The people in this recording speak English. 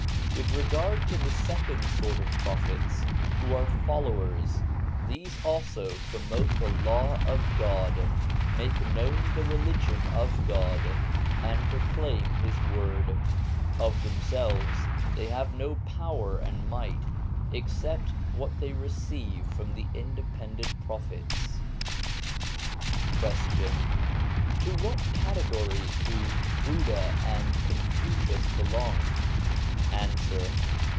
With regard to the second sort of Prophets who are followers, these also promote the Law of God, make known the Religion of God, and proclaim His word. Of themselves they have no power and might, except what they receive from the independent Prophets. Question. To which category do Buddha and Confucius belong ? Answer.